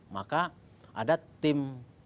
maka ada tim dua